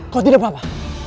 kau tidak apa apa